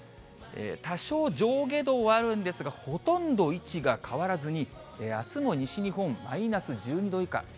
多少、上下動はあるんですけれども、ほとんど位置が変わらずに、あすも西日本、マイナス１２度以下。